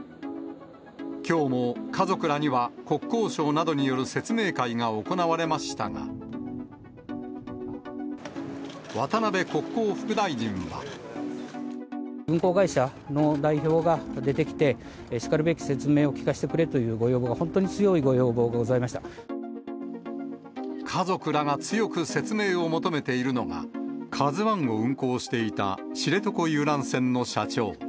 きょうも家族らには、国交省などによる説明会が行われましたが、運航会社の代表が出てきて、しかるべき説明を聞かせてくれというご要望が、家族らが強く説明を求めているのが、カズワンを運航していた知床遊覧船の社長。